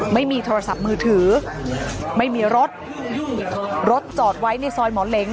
ไม่มีโทรศัพท์มือถือไม่มีรถรถจอดไว้ในซอยหมอเหล็ง